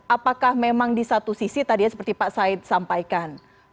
apakah memang di satu sisi tadi seperti pak said sampaikan